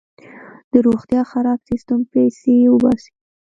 د روغتیا خراب سیستم پیسې وباسي.